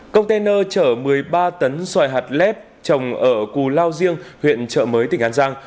container chở một mươi ba tấn xoài hạt lép trồng ở cù lao riêng huyện trợ mới tỉnh an giang